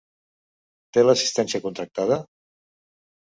Té l'assistència contractada?